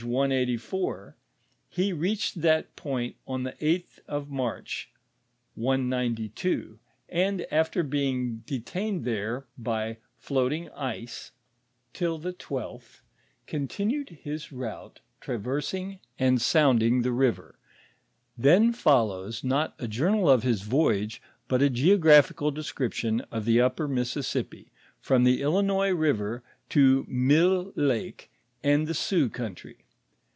184), he reached that point on the 8th of March (192), and after being detained there by floating ice till the 12th, continued his route, traversing and sounding the river. Then follows, not a journal of his voyoge, but a geographical description of the upper Mississippi, from the Illinois river to Mille lake and the Sioux country.